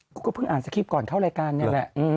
กูก็เพิ่งอ่านสคริปต์ก่อนเข้ารายการนี่แหละ